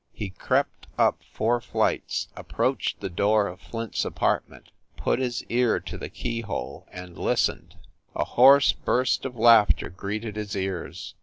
He crept up four flights, approached the door of Flint s apartment, put his ear to the keyhole and listened. A hoarse burst of laughter greeted his ears.